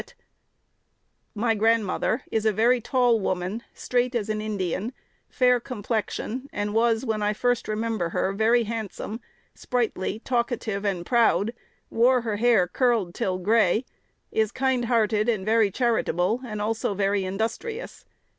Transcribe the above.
"His wife, my grandmother, is a very tall woman; straight as an Indian, fair complexion, and was, when I first remember her, very handsome, sprightly, talkative, and proud; wore her hair curled till gray; is kind hearted and very charitable, and also very industrious."